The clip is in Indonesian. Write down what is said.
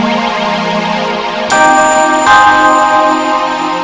saya sendiri yang lalu lintas